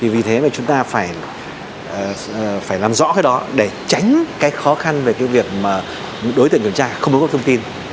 vì thế mà chúng ta phải làm rõ cái đó để tránh cái khó khăn về cái việc mà đối tượng kiểm tra không đúng có thông tin